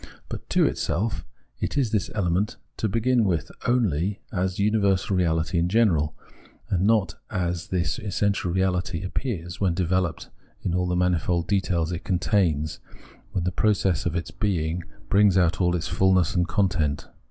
But to itself it is this element to begin with 192 Phenomenology of Mind only as universal reality ia general, and not as this essential reality appears when developed in all the manifold details it contains, when the process of its being brings out all its fullness of content.